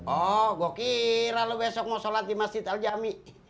oh gue kira lu besok mau sholat di masjid aljami